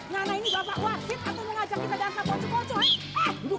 ngana ini bapak wasit atau mau ngajak kita dansa kocok kocok eh